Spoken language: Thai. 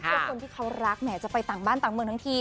เพื่อคนที่เขารักแหมจะไปต่างบ้านต่างเมืองทั้งที